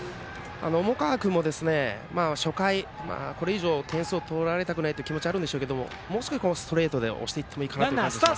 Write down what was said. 重川君も初回、これ以上点数を取られたくない気持ちはあるんでしょうけどもう少しストレートで押していってもいいかなと思います。